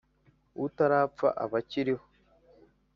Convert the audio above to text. Utarapfa aba akiriho.